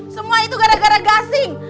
semua itu gara gara gasing